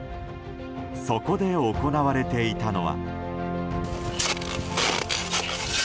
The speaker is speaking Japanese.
そこで行われていたのは。